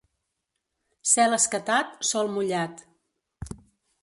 Cel escatat, sol mullat.